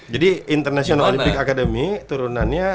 jadi international olympic academy turunannya